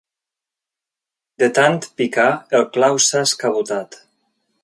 De tant picar, el clau s'ha escabotat.